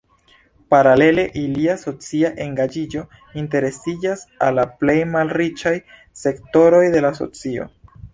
Paralele ilia socia engaĝiĝo interesiĝas al la plej malriĉaj sektoroj de la socio.